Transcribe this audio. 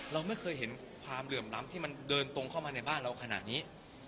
เราไม่เคยเห็นความเหลื่อมล้ำที่มันเดินตรงเข้ามาในบ้านเราขนาดนี้